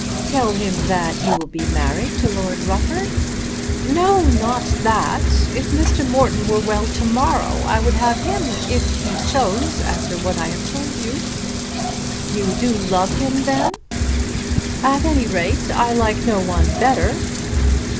"Tell him that you will be married to Lord Rufford?" "No; not that. If Mr. Morton were well to morrow I would have him, if he chose to take me after what I have told you." "You do love him then?" "At any rate I like no one better."